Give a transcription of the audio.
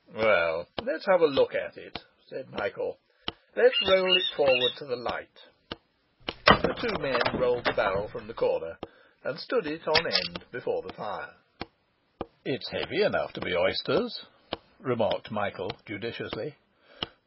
'Well, let's have a look at it,' said Michael. 'Let's roll it forward to the light.' The two men rolled the barrel from the corner, and stood it on end before the fire. 'It's heavy enough to be oysters,' remarked Michael judiciously.